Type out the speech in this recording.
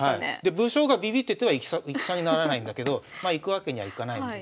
武将がビビってては戦にならないんだけどいくわけにはいかないんです。